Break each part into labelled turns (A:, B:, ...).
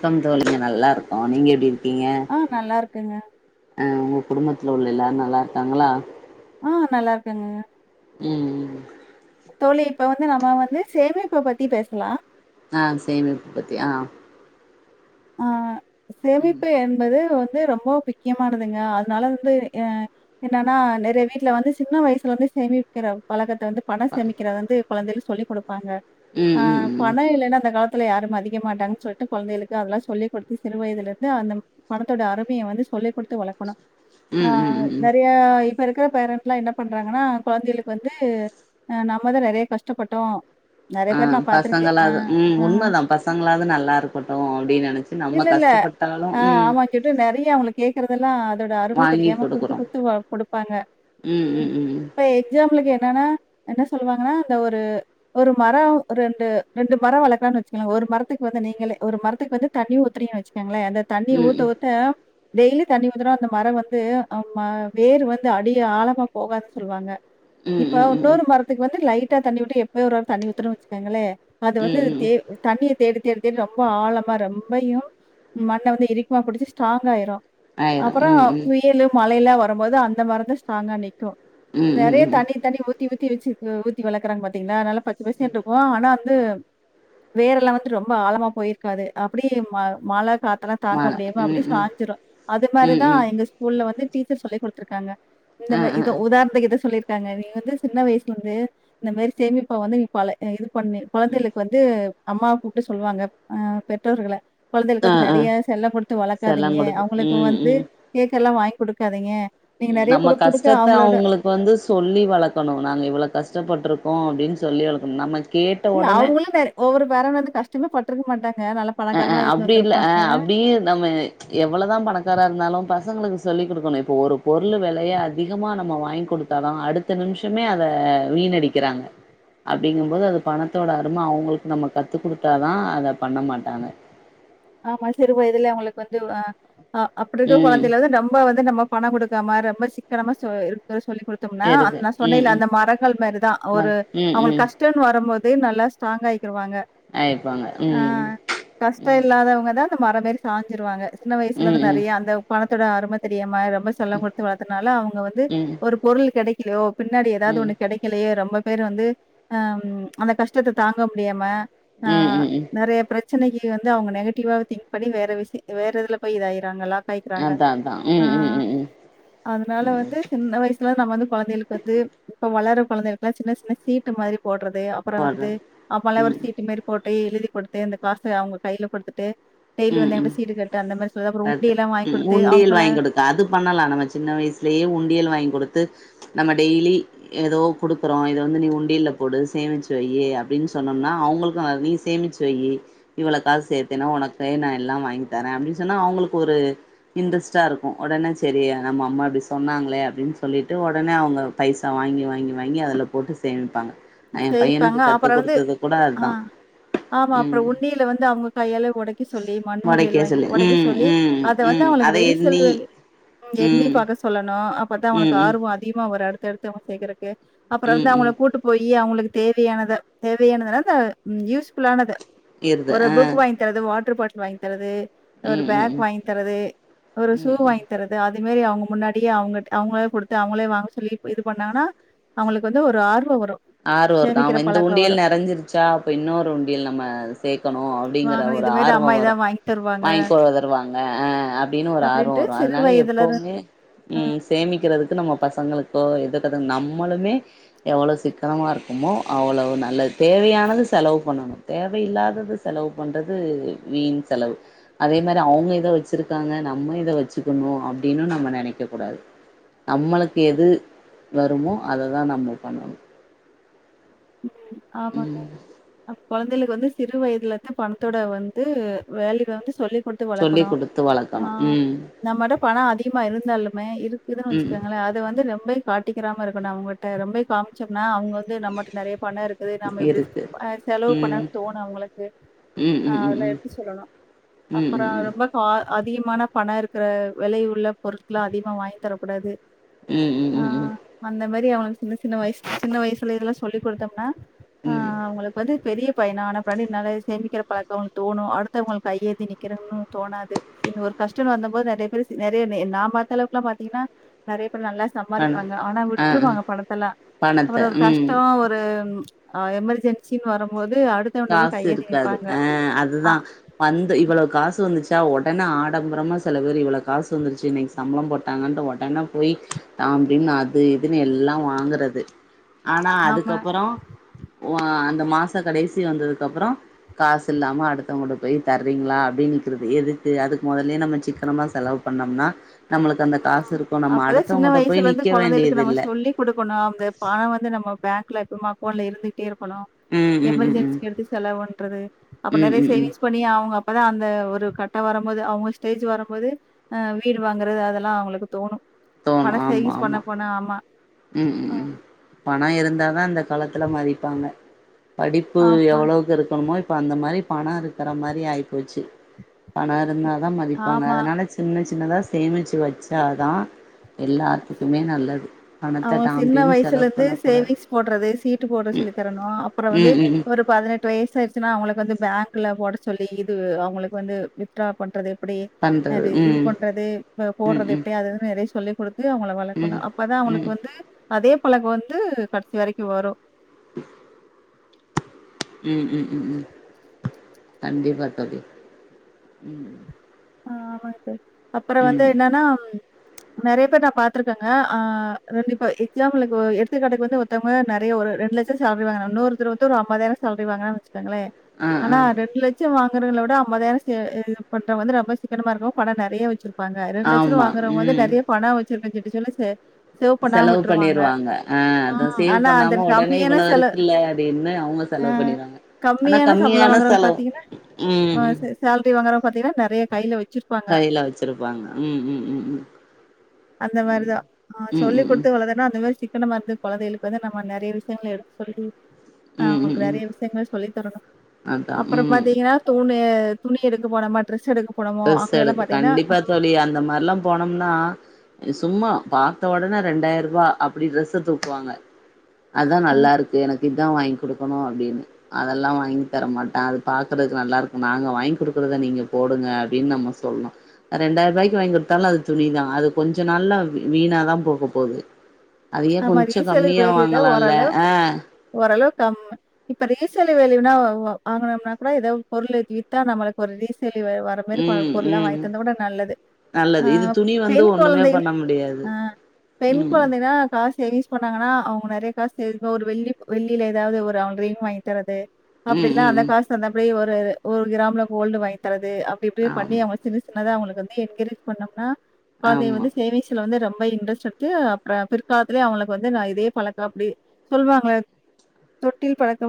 A: Come தோழி நல்லா இருக்கோ நீங்க எப்டி இரு க்கிங்க
B: ஆ நல்லா இருக்குங்க.
A: அ உங்க குடும்பத் துல உள்ள எல்லாரு நல்லா இருக்காங்களா
B: ஆ நல்லா இருக்காங்கங்க
A: உம்
B: தோழி இப்ப வந்து நம்ம வந்து சேமிப்ப பத்தி பேசலா
A: ஆ சேமிப்புபத்தி ஆ
B: ஆ
A: ம்
B: சேமிப்பு என்பது வந் து ரொம்ப முக்கியமானதுங்க அதனால வந்து எ என்னன்னா நெறைய வீட்ல வந்து சின்ன வயசுலெந்து சேமிக்கிற பழக்கத் த வந்து பண சேமிக்கிறது வந்து குழந்தைகளு சொல்லி குடுப் பாங்க
A: ம்
B: ஆ
A: ம் ம்
B: பண இல்லைன்னா இந்த காலத் துல யாரும் மதிக்கமாட்டங்க சொல்ட்டு கொழந்தைகளுக் கு அதுல்லா சொல்லிக் குடுத்து சிறுவயதுலருந்தே அந்த பணத்தோட அருமைய வந்து சொல்லிக் குடுத்து வளக்கணும் ஆ
A: ம் ம் ம் ம்
B: நெறைய இப் ப இருக்கிற பேரன்ட்லா என்ன பண்றாங்கனா கொழந்தைகளுக்கு வந்து நம்மதா நெறைய கஷ்டப்பட்டோ
A: ஆ பசங்களாது உம் உண்மதா பசங்களாது நல்லா இருக்க
B: இல்லல்ல ஆ
A: ம்
B: ஆமா கிட்டு நெறைய அவுங்க கேக்குறதெல்லா அதோட அரும
A: வாங்கி
B: தெரியாம குடுத்து
A: குடுக்குறோ
B: குடுத்து வ குடுப்பாங்க
A: ம்
B: உம்
A: ம் ம் ம்
B: இப்ப எக்ஸாம் புள்கு என்னனா என்ன சொல்வாங்கனா இந்த ஒரு ஒரு மரோ ரெண்டு ரெண்டு மரொ வளக்கறான் வச்சுக்கங்ளெ ஒரு மரத்துக்கு வந்து நீங்களே ஒரு மரத்துக்கு வந்து தண்ணி ஊத்திரிங்க வச்சுக்க ங்ளா இந்த தண்ணி ஊத்த
A: ம்
B: ஊத்த டெய்லி தண்ணி ஊத்துனா அந்த மரம் வந்து அம்ம வேரு வந்து அடிய ஆழமா போகாதுன் சொல்வாங்க
A: ம்
B: இப்ப
A: ம் ம் ம்
B: இன்னொரு மரத்துக்கு வந்து லைட் டா தண்ணி விட்டு எப்பயோ ஒருர தண்ணி ஊத்துனொ வச்சுக்கங்களே அது
A: ம்
B: வந்து
A: ம்
B: தே தண்ணீ தேடி தேடி தேடி ரொம் ரொம்ப ஆழமா ரொம்பையும் மண்ணை வந்து இரிக்குமா பிடிச்சு ஸ்ட்ராங்க் ஆயிரும்
A: ஆயிரு
B: அப்புறம்
A: ம் ம்
B: புயல் மழையல்லாம் வரு வரும் போ அந்த மருந்து ஸ்ட்ராங்கா நிற்கும்
A: ம் ம்
B: நிறைய
A: ம்
B: தனி தனி ஊத்தி ஊத்தி வச்சுகு ஊத்தி வளர்குறா பாத்தீங்களா நல்லா பச்ச பசே இருக்கு ஆனா அந் து வேறெல்லாம் வந்து ரொம்ப ஆழமா போயிருக்காது அப்படி ம மழ காத் அதெல்லா தாங்க
A: மால
B: முடியுமா அப்படி
A: ம் ம்
B: சஞ்சிடும் அது மாரி
A: ம்
B: தான்
A: ம்
B: எங்க ஸ்கூல்ல வந்து டீச்சர்ஸ் சொல்லி கொடு இருக்காங்க இந்த
A: ஆ
B: மாரி
A: ஆ
B: இதோ உதாரணத்துக்கு இத சொல்லி இருக்காங்க நீங்க வந்து சின்ன வயசுல இருந்து இந்த மாரி சேமிப்பா வந்து நீ பழ அ இது பண்ணு குழந்தைகளுக்கு வந்து அம்மவ கூட்டு சொல்லுவாங்க ஆஹ் பெற்றோர்கள
A: ஆ
B: குழந்தைகளுக்கு
A: ஆ
B: நெறைய செல்ல கொடுத்து வளர்க்காதீங்க
A: செல்லங் குடுத்து
B: அவங்களுக்கு
A: ம்
B: வந்து கேக்க எல்லா வாங் கொடுக்காதீங்க
A: உம் நம்ம கஷ்டத்த அவங்களுக்கு வந்து சொல்லி வளர்க்கணும் நாங்க இவ்வளவு கஷ் கஷ்டப்பட்டும் அப்படின்னு சொல்லி வளக்கும் நம்ம கேட்ட
B: இல்ல
A: ஒடனே
B: அவங்களும் வேற ஒவ்வொரு பேர வந்து கஷ்டமே ப ற்றுக்க மாட்டாங்க நல்ல
A: அஹ்
B: பணக்காரங்களா
A: அஹ்
B: இருந்து
A: அப்படி இல்
B: வந்திருப்பாங்க.
A: அஹ் அப்படியே நம்ம எவ்வளவுதான் பணக்காரா இருந்தாலும் பசங்களுக்கு சொல்லிக் கொடுக்கணும் இப்போ ஒரு பொருள் விலையை அதிகமா நம்ம வாங்கி கொடுத்தாதான் அடுத்த நிமிஷமே அதை வீணடிக்கிறாங்க அப்படிங்கும்போது அது பணத்தோட அரும அவங்களுக்கு நம்ம கத்து கொடுத்தா அத பண்ண மாட் தான
B: ஆமா சிறுவயத இதுலயே அவங்களுக்கு வந்து ஆஹ் ஆஹ் அப்படி இரு
A: ம்
B: குழந்தை வந்து ரொம்ப வந் த்த நம்ம பணம் கொடுக்காம ரொம்ப சிக்கனமா சொ இருக்க சொல் கொடுத்தம்னா அந்
A: எதுக்கு
B: நா
A: ம்
B: சொன்னேல
A: ம்
B: அந்த மரங்கள் மாரிதான்
A: வா
B: ஒரு
A: ம்
B: அவங்களுக்கு கஷ்டம்ன்னனு வரும்போ து நல்ல ஸ்ட்ராங்க ஆய
A: ஆயப்பாங்க உம் உம்
B: அவங்க தான் அந்த மரமாரி சஞ்சருவாங்க சின்ன
A: ம்
B: வயசுலந்து
A: ம்
B: நெறைய அந்த ட ஆர்ம தெரியாம ரொம்ப செல்லம் கொடுத்து வளர்த்தனால அவங்க வந்து
A: ம்
B: ஒரு பொருள் கிட லோ பின்னாடி ஏதாவது
A: ம்
B: ஒண்ணு கடைக்கலையே ரொம்ப பேர் வந்து அஹம் அந்த கஷ்டத்தை தாங்க முடியாம
A: ம்
B: ஆஹ்
A: ம் ம்
B: நிறைய பிரச் ன்ன அவங்க நெகட்டிவா திங்க் பன்னி வேறலய இதுல போய்இதா ஆயிரங்களா
A: அதா அதா ம் ம்
B: ஆஹ்
A: ம் ம்
B: அதனால வந்து சின்ன வயசுல நம்ம வந்து குழந்தைகளுக்கு வந்து இப்ப வளர குழந்தை களுக்கெல்லாம் சின்ன சின்ன சீட்டு மாதிரி போட்றது அப்புறம் வந்து
A: போட்றது
B: அப்பல்லாம் ஒரு சீட்டு மாரி போட் எழுதி கொடுத்த இந்த காசை அவங்களுக் கையில கொடுத்துட்டு
A: உம் உம் கர
B: உண்டியல்லாம் வாங்கி
A: உம்
B: குடுத்து
A: உண்டியல்
B: அவங்கள
A: வாங்கி கொடுக்க அது பண்ணலாம் நம்ம சின்ன வயசுலேயே உண்டியல் வாங்கி கொடுத்து நம்ம டெய்லி ஏதோ கொடுக்கறோம் இத வ நீ உண்டியல போடு சேமிச்சு வை அப்படின்னு சொன்னோம்னா அவங்களுக்கு நீ சேமிச்ச வை இவ்வள காச சேர்த்தேன்னா உனக்கு நான் எல்லாம் வாங்கி தரேன் அப்படின்னு சொன்னா அவங்களுக்கு ஒரு இன்ட்ரெஸ்ட்டாக இருக்கும் உடனே சரி நம்ம அம்மா அப்படி சொன்னாங்களே அப்படின்னு சொல்லிவிட்டு உடனே அவங்க பைசா வாங்கி வாங்கி வாங்கி அதில் போட்டு சேமிப்பாங்க எ பையனுக்கு
B: செய்ப்பாங்க
A: கத்து
B: அப்புறம் வந்து
A: குடுத்தது கூட அதா
B: ஆஹ் ஆமா அப்புறம்
A: ம்
B: உண்டியல் வந்து அவங்க கையால உடைக்கி சொல்லி மண் உண்டயல்
A: மொளைக்க
B: வாங்கி
A: சொல்லி
B: ஒடைக்க
A: ம்
B: சொல்லி
A: ம்
B: அத வந்து
A: ம்
B: அவளுக்கு
A: அத
B: ரெய்யிசல்
A: எண்ணி
B: எண்ணி
A: ம்
B: பார்க சொல்லணும் ஆ பார்த்தா
A: ம் ம்
B: உனக்குஆர்வம் அதிகமா வராரு [unintelligible] அப்புற வந்து
A: ம்
B: அவங்கள
A: ம்
B: கூட்டுப் போய்ட்டு ஏ அவங்களுக்கு தேவையானத தேவையானதுன யூஸ் புல்லானது
A: இருது
B: ஒரு
A: ஆ
B: புக் வாங்கி தரது வா எத்தனபாட்ல வாங்கி தரது ஒரு
A: ம் ம்
B: பேக்
A: ம்
B: வாங்கி தரது ஒரு ஷூ
A: ம் ம்
B: வாங்கி தரது அது இது மாரி அவங்க முன்னாடியே அவங்க அவங்களே குடுத்து அவங்களே வாங்க சொல்லி இது பண்ணாங்கன்னா அவங்களுக்கு வந்து ஒரு ஆர்வம் வரும்
A: ஆர்வம் வருது அவன் இந்த உண்டியல் நிறைஞ்சிருச்சா அப்பே இன்னொரு உண்டியல் நம்ம சேர்க்கணும் அப்டிங்கற
B: வாங்கணு
A: ஒரு
B: இது மாரி அம்மா
A: ஆர்வம் வரும்
B: எதாவது வாங்கி தருவாங்க
A: வாங்கிக்க தருவாங்க அ அப்டின்னு ஒரு ஆர்வம்
B: அப்டின்ட்டு
A: வரும்
B: சிறு
A: அதனால
B: வயதுல இரு
A: எப்வுமே ம் சேமிக்கிறதுக்கு நம்ம பசங்களுக்கு கோ இதுக்குங்க நம்மளுமே எவ்வளோ சிக் சத்தமா இருக்குமோ அவ்வளவு நல்லது தேவையானது செலவு பண்ணணும் தேவையில்லாதத செலவு பண்றது வீண் செலவு அதே மாரி அவங்க இத வச்சிருக்காங்க நம்ம இத வச்சுக்கணும் அப்டின்னுனு நம்ம நெனைக்க கூடாது நம்மளுக்கு எது வருமோ அததான் நம்ம பண்ணணும்
B: ஆமாங்க அ கெழந்தைகளுக்கு வந்து சிறு வயதுலதான் பணத்தோட வந்து வேல்யு வந்து சொல்லி கொடுத்து
A: சொல்லி்
B: வளக்கனு
A: குடுத்து
B: ஆ
A: வளக்கணு ம்
B: நம்மிட பணம் அதிக மா இருந்தாலுமே இரு இதுன்னா
A: ம்
B: வச்சிக்கோங்களே அது வந்து காட்டிக்கிராம இருக்கணும் அவங்ககிட்ட ரொம்ப காமிச்சனா அவங்க நம்மிட்ட நெறைய பணம் இருக்கு நம்ம இப்படி
A: இருக்கு
B: செலவு
A: ம்
B: பண்ணனு தோணும் அவங்களுக்கு
A: ம்
B: ஆஹ
A: ம் ம்
B: அதெல்லாம்
A: ம்
B: எடுத்து சொல்லணும்
A: ம் ம் ம்
B: அப்புறம்
A: ம்
B: ரொம்ப கா அதிகமான பணம் இருக்கிற விலை உள்ள பொருட்கலாம் அதிகமா வாங்கி தரக்கூடாது
A: ம் ம்
B: ஆஹ் வந்த அதுமாதிரி அவனுக்கு சின்ன சின்ன வயசு சின்ன வயசுல இதெல்லாம் சொல்லி கொடுத்தோம்னா
A: ம் ம்
B: ஆஹ் அவங்களுக்கு வந்துத் பெரிய பையனா பனி நிறைய சேமிக்கிற பழக்கம் தோணும் அடுத்தவங்கள கைய ஏந்தி நிற்கிறும்ன்னு தோணாது இந்த ஒரு கஷ்டம்னு வந்த போது நிறைய பேர் நிறைய நான் பார்த்த அளவுக்குலாம் பாத்தீங்கன்னா நிறைய நல்லா
A: பண
B: சப்பாரிப்பாங்க ஆனா
A: ஆ ஆ
B: விட்டுறுவாங்க பணத்தெலாம் அப்புறம்
A: பணத்த
B: ஒரு
A: ம்
B: கஷ்டம் ஒரு ஆஹ எமர் ஜென் சின்னு வரும்போது அடுத்தவன்ட்ட போய்
A: காசு
B: கையேந்தி
A: இருக்காது
B: நிப்பாங்க.
A: அஹ்
B: அ
A: அதுதான் வந்து இவ்வளவோ காசு வந்துச்சு ஒடனே ஆடம்பரமா செலபேர்ரு இவ்வளவு காசு வந்துருச்சு இன்னைக்கு சம்பளம் போட்டாங்கட்டு உடனே போய் தாம் திம் அது இதுன்னு எல்லா வாங்கறது
B: ம்
A: ஆனா
B: ஆமா.
A: அதுக்கப்புறம் ஒ அந்த மாச கடைசி புத்தி வந்ததுக்கு அப்பறம் காசு இல்லாம அடுத்தவங்கிட்ட போய் தர்றீங்களா அப்படின்னு நிக்கிறது எதுக்கு அதுக்கு முதலயே நம்ம சிக்கனமா செலவு பண்ணோம்னா நம்மளுக்கு அந்த காசு இருக்கு நம்ம
B: அப்ப தா சின்ன
A: அடுத்தவங்கள்ட
B: வயசுல
A: போய்
B: இருந்து
A: நிக்க
B: குழந்தைகளுக்கு
A: வேண்டியது
B: நம்ம
A: இல்ல
B: சொல்லி கொடுக்கணு அந்த பண வந்து நம்ம பேங்க்ல எப்பமொ அக்கவுண்ட்ல இருந்துட்டே இருக் இப்பலா
A: ம் ம் ம் ம்
B: எமெர்ஜென்சிக்கு எடுத்து செலவுண்றது அப்ப
A: ம்
B: நறைய
A: ம் ம்
B: சேவிங்ஸ் பண்ணி அவுங்க அப் அப்பதா அந்த ஒரு கட்ட வர போது அவுங்க ஸ்டேஜ் வரும்போது வீடு வாங்கறது அதெல்லா லா அவுங்களுக்கு தோணும் பண சைஸ் பண்ண பண்ண ஆமா
A: உம் உம் பண இருந்தாதா இந்த காலத்துல மதிப்பாங்க படிப்பு
B: ஆமா
A: எவ்வளவுக்கு இருக்கணுமோ இப்ப அந்த மாரி பண இருக்கற மாரி ஆயி போச்சு பண இருந்தாதா மதிப்பாங்க
B: ஆமா
A: அதனால சின்ன சின்னதா சேமிச்சு வச்சாதா எல்லாத்துக்குமே நல்லது பணத்த
B: அவன்
A: டாம்
B: சின்ன
A: டீம்னு
B: வயசுல
A: செலவு
B: இருந்து
A: பண்ணக்கூடாது
B: சேவிங்ஸ் போடுறது சீட்டு போடுற சொல்லி தரணு அப்புற வந்து
A: ம் ம் ம்
B: ஒரு பதினெட்டு வயசா த்தினா அவுங்களுக்கு வந்து பேங்க்ல போட சொல்லி இதுவு அவுங்களுக்கு வந்து வித்ரா பண்றது அப்பிடி அ
A: பண்றது
B: இது
A: ம்
B: பண்றது
A: ம் ம்
B: போடுறது
A: ம் ம்
B: எப்படிய அது எரைஸ் சொல்லி கொடுத் து அவுங்கள வளர்க்கணும் அப்பதா அவுங்களுக் வந்து அதே பழக்க வந்து கடைசி வரைக்கும் வரும்
A: ஹ [inaudible] உம் உம் உம் உம் கண்டிப்பா தோழி உம்
B: ஆஹ் ஆமா ச அப்பற வந்து என்னன்னா நறைய பேர் நா பாத்துருக்கேங்க ஆஹ் ரெண்ட இப்ப எக்ஸாம் எடுத்துக்காட்டுக்கு வந்து ஒருத்தவங்க நறைய ஒரு ரெண்டு லட்சம் சேல்ரி வாங்குராங்க இன்னூருத்தர் வந்து ஒரு ஐம்பதாயிர சேல்ரி வாங்கினேுச்சே இருங்களே
A: ஆ ஆ
B: ஆனா ரெண்டு லட்சம் வாங்க விட அம்பாதயிரம் சே வந்து ரொம்ப சிக்கனமா இருக்கு பண நறைய வச்சிருக் பாங்க இரண்டு லட்சரூபா
A: ஆமா
B: வாங்கறங்கோ
A: ம்
B: நறைய பண வச்சிருக் சொல்லுங்க சார்
A: செலவு பண்ணிருவாங்க ஆஹ்
B: ஆ.
A: அத சேவ்
B: ஆனா அந்த
A: பண்ணாம உடனே
B: கம்மியான
A: இவ்ளோ
B: செல
A: இருக்குல்ல அப்பிடின்னு அவுங்க
B: அ
A: செலவு பண்ணிருவாங்க ஆனா
B: சம்பளம்
A: கம்மியான
B: வாங்குறவங்க
A: செலவு உம்
B: பாத்தீங்கின்னா நறைய கைல வா
A: கையில வச்சிருப்பாங்க உம் உம் உம் உம்
B: அந்த மாரி
A: உம் உம் உம் உம்
B: இப்ப நம்ப இருந்து குழந்தைகளுக்கு வந்து நம்ப நறைய விஷயங்கங்களை எடுத்து சொல்லி ஆஹ்
A: ம் ம்
B: அவங்களுக்கு
A: ம்
B: நறைய விஷயங்கள் சொல்லித்தரணு
A: அதா
B: அப்பற
A: ம்
B: பாத்தீங்கனா தூணு துணி எடுக்க போனா மா ரெஸ் எடுக்க போனோமோ,
A: டிரஸ்
B: அங்கெல்லாம்
A: எடுக்கு
B: பார்த்தீங்கன்னா,
A: கண்டிப்பா தோலி அந்த மாரில்லாம் போனோம்னா சும்மா பாத்த உடனே ரெண்டாயிரம் ரூபா அப்டி டிரஸ் தூக்குவாங்க அதான் நல்ல இருக்கு எனக்கு அதான் வாங்கி கொடுக்கணும் அப்டின்னு அதெல்லாம் வாங்கி தர மாட்டேன் அது பாக்கறதுக்கு நல்லா இருக்கும் நாங்க வாங்கி கொடுக்கறத நீங்க போடுங்க அப்டின்னு நம்ம சொல்லணும் ரெண்டாயிரம் ரூபாய்க்கு வாங்கி கொடுத்தாலும் அது துணிதான் அது கொஞ்ச நாள் வீணாதான் போக போகுது அதயே
B: நம்ம
A: கொஞ்சம்
B: ரீசேல்
A: கம்மியா
B: வேல்யூல
A: வாங்கலாம்ல
B: ஓரளவுக்கு
A: ஆஹ்
B: ஓரளவு இப்ப ரீசேல் வேல்யூனா வாங்கனோம்னா கூட ஏதாவ பொருள் வித்தா நம்மளுக்கு ஒரு ரீசே தா வர மாரி
A: ம்
B: பொறுளெல்லாம் வாங்கி
A: ம்
B: தந்த கூட நல்லது
A: நல்லது இது
B: ஆஹ்
A: துணி வந்து
B: பெண்
A: ஒண்ணுமே
B: குழந்தை
A: பண்ண முடியாது
B: ஹா பெண்
A: ம்
B: குழந்தைனா சேவிங்ஸ் பண்ணாங்கன்னா அவுங்க நறைய காசு ஒரு வெள்ளி வெள்ளில ஏதாவது ஒரு அவங்க ரிங் வாங்கி தரது
A: ம்
B: அப்டில்லாம்
A: ம்
B: அந்த
A: ம்
B: காசு அந்தபடியே ஒரு ஒரு கிராமல கோல்டு வாங்கி தர து அப்டி அப்டி பண்ணி
A: ஆமா
B: அவுங்க சின்ன சி பண்ணாதா அவுங்களுக்கு வந்து என்கரேஜ் பண்ணோம்னா குழந்தையை
A: ஆமா
B: வந்து சேவிங்ஸ்ல வந்து ரொம் போ இண்ட்ரஸ் எடுத்து அப்பற காலத்திலயே அவுங்களுக்கு வந்து நான் இதே பழக்கம் அப்டி சொல்லுவாங்களே தொட்டில் பலக்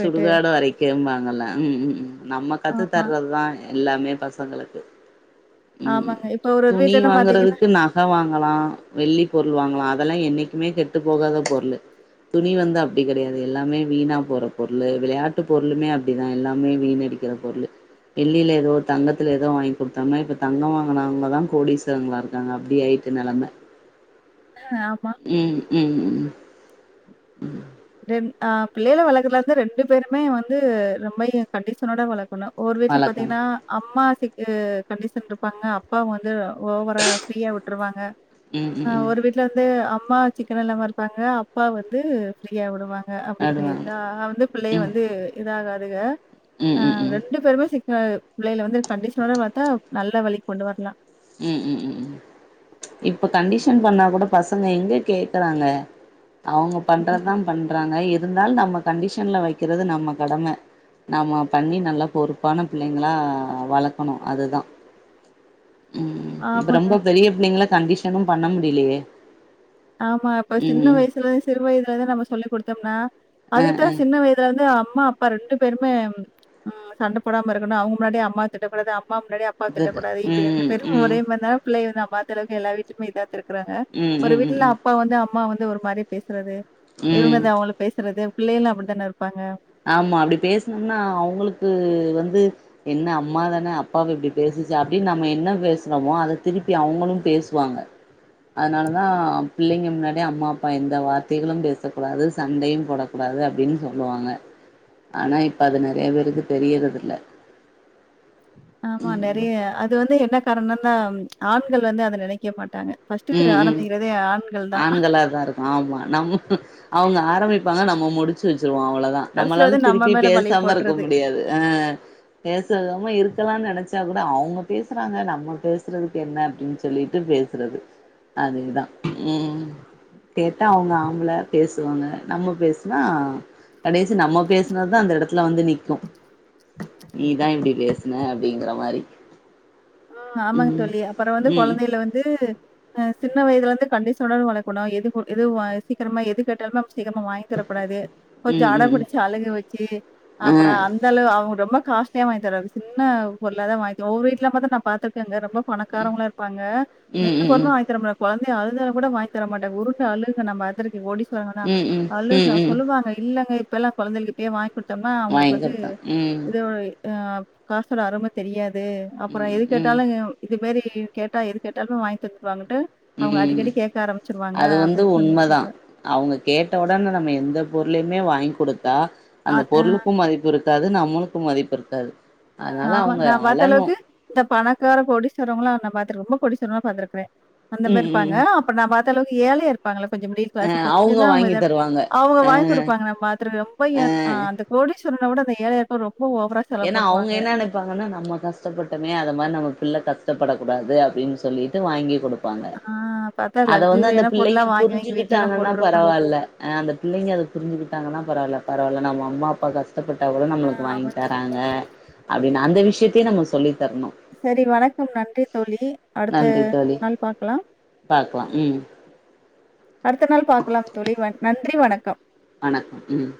A: சுடுகாடு வரைக்கும்பாங்கல்ல உம் உம் நம்ம
B: ஆமா,
A: கத்துத்தறதுதா எல்லாமே பசங்களுக்கு உம்
B: ஆமாங்க. இப்ப ஒரு ஒரு
A: துணி
B: வீட்லலாம் பார்த்தீங்கன்னா
A: வாங்கறதுக்கு நகை வாங்கலாம் வெள்ளி பொருள் வாங்கலாம் அத எல்லாமே என்னிக்குமே கெட்டு போகாத பொருள் துணி வந்து அப்டி கிடையாது எல்லாமே வீணா போற பொருளு விளையாட்டு பொருளுமே அப்டிதா எல்லாமே வீணடிக்கிற பொருளு வெள்ளியில ஏதோ தங்கத்துல ஏதோ வாங்கி கொடுத்தோம்னா இப்ப தங்கோ வாங்கனவங்கதா கோடீஸ்வரங்களா இருக்காங்க அப்டி ஆயிட்டு நெலம
B: ஆமா.
A: உம் உம் உம் உம்
B: ம் ஆ பிள்ளைகள வளக்கறதுல வந்து ரெண்டு பேருமே வந்து ரொம்பயு கண்டிஷனோட வளக்கணு ஒவ்வொரு வீட்ல
A: வழக்கம்
B: பாத்தீங்கன்னா அம்மா [unintelligible] கண்டிஷன் இருப்பாங்க அப்பா வந்து ஓவரா ஃப்ரீயா விட்ருவாங்க
A: ம் ம்
B: ஆ
A: ம்
B: ஒரு வீட்ல வந்து அம் மா [unintelligible] இல்லாம இருப்பாங்க அப்பா வந்து ஃப்ரீயா விடுவாங்க அ அப்டின்னு
A: நடுவாங்க
B: இதா வந்து பிள்ளைக
A: ம்
B: வந்து இதாகா துக
A: ம்
B: ஆ
A: ம் ம்
B: ரெண்டு பேருமே சிக் கா பிள்ளைகள வந்து கண்டிஷனோட வளத்தா நல்ல வழிக்கு கொண்டு வரலா
A: உம் உம் உம் உம் இப்ப கண்டிஷ ன் பண்ணா கூட பசங்க எங்க கேக்குறாங்க அவங்க பண்றதுதா
B: கண்டிப்பா.
A: பண்றாங்க இ ருந்தாலு நம்ம கண்டிஷன்ல வைக்கிறது நம்ம கடம நாம பண்ணி நல்லா பொறுப்பான பிள்ளைங்களா வளக்கணு அதுதா உம்
B: ஆமாங்க.
A: இப்ப ரொம்ப பெரிய பிள்ளைங்கள கண்டிஷனும் பண்ண முடியலையே
B: ஆமா இப்ப சின்ன
A: ம்
B: வயசுலருந்து சிறு வயதுல இருந்து நம்ம சொல்லி குடுத்தம்னா
A: அ
B: அதுக்குதா
A: அ
B: சின்ன வயதுல இருந்து அ ம்மா அப்பா ரெண்டு பேருமே ம் சண்ட போடாம இருக்கணு அவங்க முன்னாடியே அம்மாவ திட்டக்கூடாது அ ம்மா முன்னாடி அப்பாவ திட்டக்
A: குட்
B: கூடாது இப்டி ரெண்டு
A: ம்
B: பேரு
A: ம்
B: ஒரே மாரி இருந்தா பிள்ளைக ந பாக்கறவங்க எல்லா வீட்டுக்குமே இதா இருக்கறாங்க
A: ம் ம்
B: ஒரு
A: ம்
B: வீட் ல
A: ம்
B: அப்பா வந்து அம் மாவ வந்து ஒரு மாரி பேசுறது இவங்க
A: ம்
B: வந்து அவுங்கள பேசுறது பிள்ளைகளு அப்டிதான இருப்பாங்க
A: ஆமா அப்டி பேசனம்னா அவங்களுக்கு வந்து என்ன அம்மாதான அப்பாவ இப்டி பேசுச்சு அப்டின்னு நம்ம என்ன பேசுறோமோ அத திருப்பி அவங்களு பேசுவாங்க அதனாலதா ஆ பிள்ளைங்க முன்னாடி அம்மா அப்பா எந்த வார்த்தைகளும் பேசக் கூடாது சண்டையு போடக் கூடாது அப்டின்னு சொல்லுவாங்க ஆனா இப்ப அது நெறைய பேருக்கு தெரியறது இல்ல
B: ஆமா
A: ம்
B: நெறைய அது வந்து என்ன காரணன்னா ம்ச் ஆண்கள் வந்து அத நெனைக்க மாட்டாங்க. ஃபர்ஸ்ட்டு
A: உம் உம்
B: ஆரம்பிக்கிறதே ஆண்கள் தான்.
A: ஆண்களாதா இருக்கு. ஆமா நம் ஹஹேம் அவங்க ஆரம்பிப்பாங்க நம்ம முடுச்சு. ச்சுருவோ அவ்வளோதா
B: கடைசில வந்து
A: நம்மளாலும்
B: நம்ம
A: திருப்பி
B: மேல பழிய
A: பேசாம இருக்க
B: போட்டுறது.
A: முடியாது ஆஹ பேசாம இருக்கலாம்னு நெனச். ச்சா கூட அவங்க பேசுறாங்க நம்ம பேசுறதுக்கு என்ன அப்படின்னு சொல்லிட்டு பேசுறது. அதுதான உம் கேட்டா அவங்க ஆம்பள பேசுவாங்க நம்ம பேசனா கடைசி நம்ம பேசனதுதா அந்த இடத்துல வந்து நிக்கு. நீதா இப்படி பேசன அப்படிங்கிற மாரி.
B: ஆஹ ஆமாங்க
A: ம்
B: தோழி அப்புறோ வந்து
A: ம்
B: குழந்தையில வந்து. ஹ சின்ன வயதுல வந்து கண்டிசன்னோட வளர்க்கணு எது எது சீக்கிரமா எது கேட்டாலும் நம். சிக்கிரமா வாங்கி தரக்கூடாது. கொஞ்சோ
A: ம்
B: அட
A: ம் ம்
B: பிடிச்சு அழுகு வச்சு
A: ஆ
B: அப்புறோ அந்த அளவு அவங்க ரொம்ப. காஸ்லியா வாங்கித்தராது சின்ன பொருளாதா வாங்கித்தரனு ஒவ்வொரு வீட்ல பாத்தா நம். பாத்துருக்கங்க ரொம்ப. பணக்காரங்களா இருப்பாங்க
A: ம்
B: எந்த
A: ம்
B: பொருழுமே
A: ம்
B: வாங்கி தரமாட்டாங்க குழந். அப்டியே அழுதா கூட வாங்கி தரமாட்டாங்க உருண்டு அழுகு நம்ம அதற்கு ஓடி. சொல்லுங்கன்னா
A: ம் ம் ம்
B: அழுங்க
A: ம்
B: சொல்லுவாங்க இல்லங்க. இப்பெல்லா குந்தைகளுக்கு இப்பயே வாங்கி குடுத். குடுத்தம்னா அவங்களுக்கு
A: வாங்கி
B: வந்து
A: குடுத்தே
B: இது. ஆஹ காசோட ஆரும தெரியாது. து
A: ம்
B: அப்புறோ இருக்.
A: ம் ம்
B: கேட்டாலும்ங்க இது மேரி. கேட்டா எது கேட்டாலும் வாங்கி தந்துருவாங்கனு.
A: உம் அது வந்து
B: அப்படின்னு
A: உண்மைதா
B: சொல்லியிருக்காங்க.
A: அவங்க கேட்ட உடனே நம்ம எந்த பொரு. லுமே வாங்கி குடுத். தா
B: அ
A: அந்த
B: அ
A: பொருளுக்கும் மதிப்பு இருக். க்காது நம்பலுக்கும் மதிப்பி இருக்காது.
B: ஆஹ
A: அதனால
B: ஆமா
A: அவங்க
B: நா பாத்த
A: அழணு
B: அளவுக்கு இந்த பணக்கார கோடிசஸ்வறங்களா இந்த மாரி ரொம்ப. கோடிஸ்வரங்கெல்லா பாத்திருக்குற. அந்த மாரி
A: ம்
B: இருப்பாங்க
A: ம்
B: அப்ப நா பாத்த அளவுக். ஏழையா இருப்பாங்கள. கொஞ்சோ மிடில்
A: அ
B: கிளாஸ் கொஞ்சோதா அவங்க
A: வாங்கி
B: இதா இருப்பாங்க
A: தருவாங்க
B: அவங்க
A: அ
B: வாங்கி குடுப்பாங்க நா பாத்துருக்குற ரொம்ப ஏழ் அந்த கோடிஸ். சொன்னா கூட அந்த ஏழையாக்கு ரொம். ம்ப ஓவரா செலவு
A: ஏன்னா
B: பண்.
A: அவங்க என்ன நினைப்பாங்கன்னா நம்ம கஷ்டப்பட்டமே அது மாரி நம்ம புள். ள கஷ்டப்படக்கூடாது அப்படின்னு சொல்லிட்டு வாங்கி் குடுப். ப்பாங்க.
B: ஆ பார்த்தா
A: அத வந்து அந்த
B: லக்ஸூரியான பொருளா
A: பிள்ளைங்க
B: வாங்கி வாங்கி வீட்லலாம்
A: புரிஞ்சுக்கிட்டாங்கன்னா
B: போட்டுருப்பாங்க.
A: பரவால்ல ஆஹ அந்த பிள்ளைங்க அத புரிஞ்சுக்கிட்டாங்கன்னா பரவால்ல. பரவால்ல நம்ம அம்மா அப்பா காசு கஷ்டப்பட்டா கூட
B: ஆ
A: நம்மளுக்கு வாங்கி
B: ஆமா தோழி.
A: வறாங்க அப்ப அந்தவிஷியத்த நம்ம சொல்லி தரணும்.
B: சரி வணக்கம் நன்றி தோழி அடுத்த
A: நன்றி தோழி.
B: நாள் பாக்கலாம்
A: பாக்கலாம். ம்.
B: அடுத்த நாள் பாக்கலாம் தோழி வ நன்றி வணக்கம்
A: வணக்கம் உம்